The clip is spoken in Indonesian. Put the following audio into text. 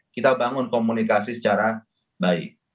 kita bangun komunikasi secara baik